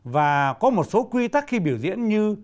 và có một số quy tắc khi biểu diễn như